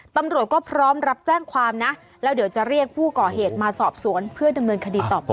ตำรวจก็พร้อมรับแจ้งความนะแล้วเดี๋ยวจะเรียกผู้ก่อเหตุมาสอบสวนเพื่อดำเนินคดีต่อไป